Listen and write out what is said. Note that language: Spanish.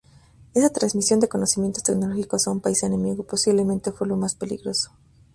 Esta transmisión de conocimientos tecnológicos a un país enemigo posiblemente fue lo más peligroso.